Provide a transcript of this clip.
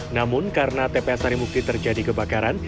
namun karena tpa sarimukti terjadi kebakaran